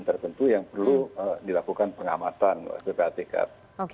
tertentu yang perlu dilakukan pengamatan oleh ppatk